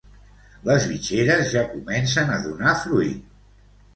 Les bitxeres ja comencen a donar fruit!